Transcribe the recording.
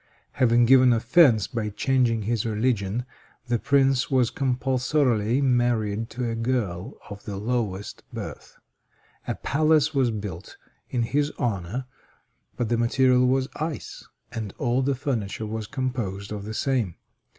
Having given offense by changing his religion, the prince was compulsorily married to a girl of the lowest birth. A palace was built in his honor, but the material was ice, and all the furniture was composed of the same.